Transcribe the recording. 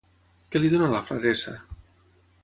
Què li dona la fraressa?